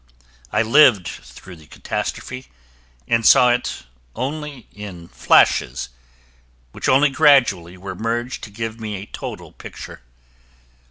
I lived through the catastrophe and saw it only in flashes, which only gradually were merged to give me a total picture.